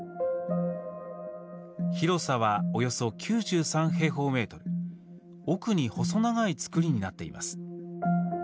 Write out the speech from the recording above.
広さはおよそ９３平方メートル奥に細長い造りになっています。